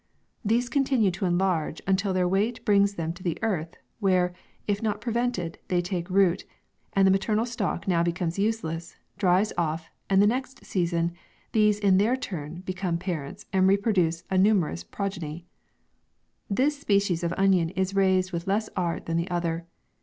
These continue to enlarge, until their weight brings them to the earth, where, if not prevented, they take root, and the maternal stalk now becomes useless, dries off, and the next season, these in their turn become pa rents, and re produce a numerous progeny . This species of onion is raised with le^s art than the other.